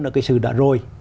ở cái sự đã rồi